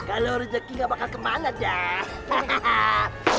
kalau rezeki gak bakal kemana dah